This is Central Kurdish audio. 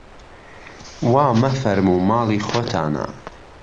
وا مەفەرموو ماڵی خۆتانە